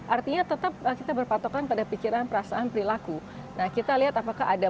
artinya tetap kita berpatokan pada pikiran perasaan perilaku nah kita lihat apakah ada